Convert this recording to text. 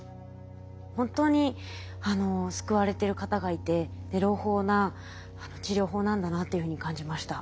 本当に救われてる方がいて朗報な治療法なんだなというふうに感じました。